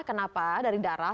kenapa dari darah